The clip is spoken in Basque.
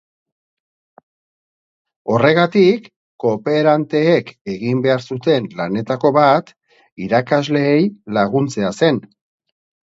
Horregatik, kooperanteek egin behar zuten lanetako bat irakasleei laguntzea zen.